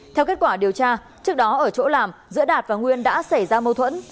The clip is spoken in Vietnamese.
theo kết quả điều tra trước đó ở chỗ làm giữa đạt và nguyên đã xảy ra mâu thuẫn